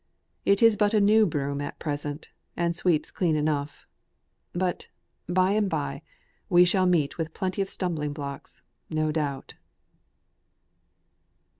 It is but a new broom at present, and sweeps clean enough. But by an bye we shall meet with plenty of stumbling blocks, no doubt."